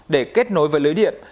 để kết nối với lưới điện